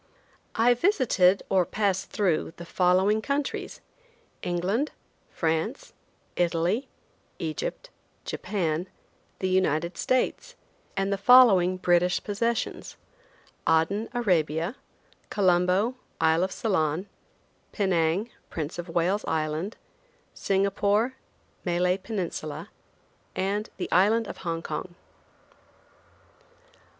I visited or passed through the following countries: England, France, Italy, Egypt, Japan, the United States, and the following British possessions: Aden, Arabia; Colombo, Isle of Ceylon; Penang, Prince of Wales Island; Singapore, Malay Peninsula; and the Island of Hong Kong.